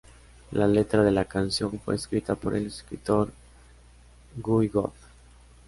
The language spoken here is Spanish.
La letra de la canción fue escrita por el escritor Guy Wood.